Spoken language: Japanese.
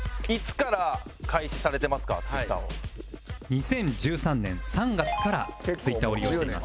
２０１３年３月から Ｔｗｉｔｔｅｒ を利用しています